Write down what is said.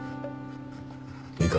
いいか？